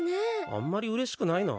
あんまり嬉しくないな。